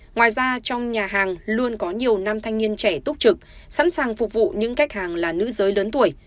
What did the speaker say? ngoài ra trong nhà hàng luôn có nhiều nam thanh niên trẻ túc trực sẵn sàng phục vụ những khách hàng là nữ giới lớn tuổi